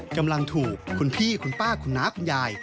กำลังถูกคุณพี่คุณป้าคุณน้าคุณยาย